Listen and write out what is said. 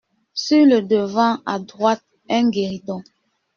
Sur le devant, à droite, un guéridon.